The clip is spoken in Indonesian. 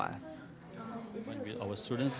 ketika para pelajar datang